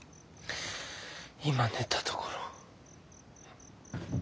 今寝たところ。